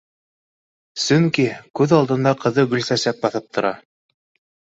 Сөнки күҙ алдында ҡыҙы Гөлсә- сәк баҫып тора